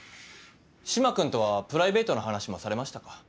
嶋君とはプライベートな話もされましたか？